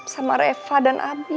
sama reva dan abi